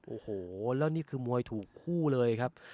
โอ้โหแล้วนี่คือมวยถูกคู่เลยครับ